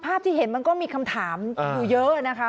ที่เห็นมันก็มีคำถามอยู่เยอะนะคะ